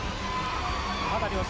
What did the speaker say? まだ両者